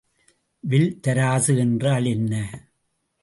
Will தராசு என்றால் என்ன?